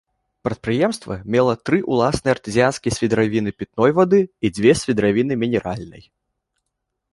Прадпрыемства мела тры ўласныя артэзіянскія свідравіны пітной вады і дзве свідравіны мінеральнай.